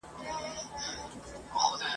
چي پر مځکه خوځېدله د ده ښکار وو ..